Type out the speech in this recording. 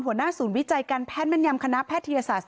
หัวหน้าศูนย์วิจัยการแพทย์แม่นยำคณะแพทยศาสตร์